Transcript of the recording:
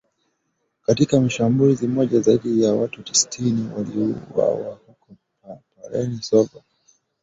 Katika shambulizi moja, zaidi ya watu sitini waliuwawa huko Plaine Savo, mwendesha mashtaka wa kijeshi Joseph Makelele aliiambia mahakama.